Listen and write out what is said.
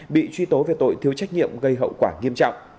bị truy tố về tội thiếu trách nhiệm gây hậu quả nghiêm trọng